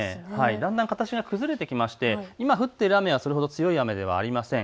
だんだん形が崩れてきて今、降っている雨はそれほど強い雨ではありません。